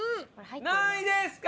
何位ですか？